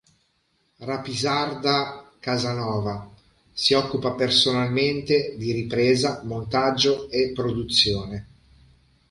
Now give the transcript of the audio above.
Rapisarda Casanova si occupa personalmente di ripresa, montaggio e produzione.